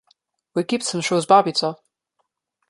V Egipt sem šel z babico.